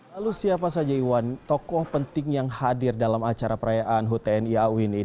lalu siapa saja iwan tokoh penting yang hadir dalam acara perayaan hutn iau ini